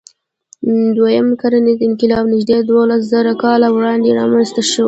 دوهیم کرنیز انقلاب نږدې دولسزره کاله وړاندې رامنځ ته شو.